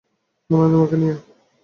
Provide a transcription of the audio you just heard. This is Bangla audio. মনে হয় তোমাকে নিয়ে।